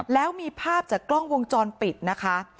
แล้วมีภาพจากกล้องวงจรปิดนะคะ